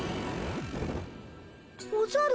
おじゃる？